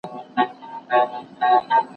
د ازاد تګ راتګ حق خلګو ته د کار فرصت ورکوي.